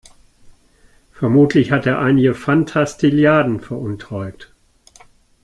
Vermutlich hat er einige Fantastilliarden veruntreut.